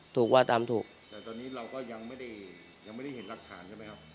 ถูกว่าตามถูกแต่ตอนนี้เราก็ยังไม่ได้ยังไม่ได้เห็นหลักฐานใช่ไหมครับ